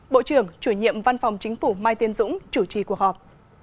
bộ trưởng chủ nhiệm văn phòng chính phủ mai tiên dũng chủ trì cuộc họp